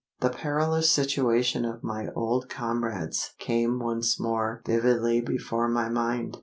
The perilous situation of my old comrades came once more vividly before my mind.